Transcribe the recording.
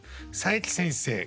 佐伯先生